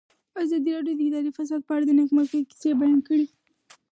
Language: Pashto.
ازادي راډیو د اداري فساد په اړه د نېکمرغۍ کیسې بیان کړې.